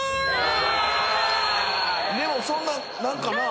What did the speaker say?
でもそんな何かな。